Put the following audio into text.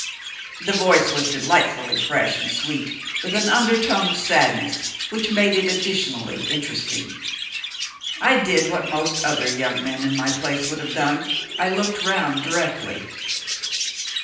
The voice was delightfully fresh and sweet, with an undertone of sadness, which made it additionally interesting. I did what most other young men in my place would have done I looked round directly.